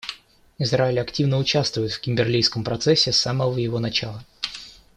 Израиль активно участвует в Кимберлийском процессе с самого его начала.